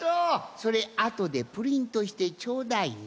それあとでプリントしてちょうだいね。